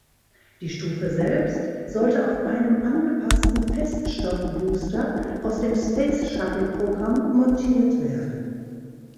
Die Stufe selbst sollte auf einem angepassten Feststoffbooster aus dem Space-Shuttle-Programm montiert werden.